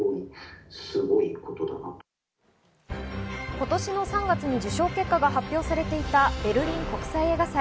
今年の３月に受賞結果が発表されていたベルリン国際映画祭。